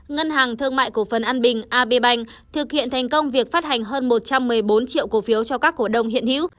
ngân hàng thương mại cổ phần an bình abbank thực hiện thành công việc phát hành hơn một trăm một mươi bốn triệu cổ phiếu cho các cổ đông hiện hữu